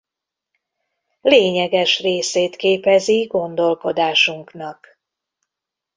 Lényeges részét képezi gondolkodásunknak.